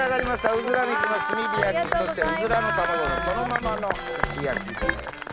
うずら肉の炭火焼そしてうずらの卵のそのままの串焼きです。